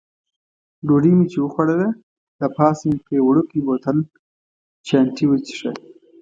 ډوډۍ مې چې وخوړله، له پاسه مې پرې یو وړوکی بوتل چیانتي وڅېښه.